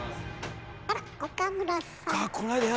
あら！